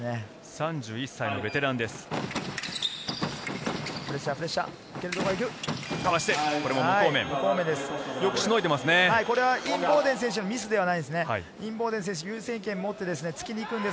３１歳、ベテランです。